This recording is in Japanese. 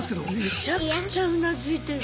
めちゃくちゃうなずいてる。